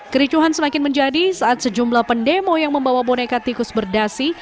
kericuhan semakin menjadi saat sejumlah pendemo yang membawa boneka tikus berdasi